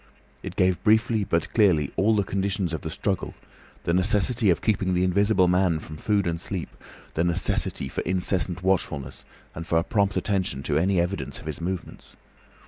It gave briefly but clearly all the conditions of the struggle, the necessity of keeping the Invisible Man from food and sleep, the necessity for incessant watchfulness and for a prompt attention to any evidence of his movements.